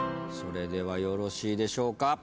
それではよろしいでしょうか。